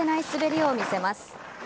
滑りを見せます。